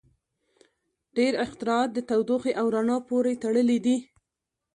• ډیری اختراعات د تودوخې او رڼا پورې تړلي دي.